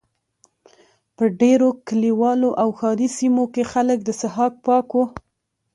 په ډېرو کلیوالو او ښاري سیمو کې خلک د څښاک پاکو.